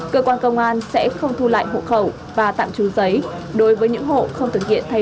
cơ quan công an sẽ không thu lại hộ khẩu và tạm trú giấy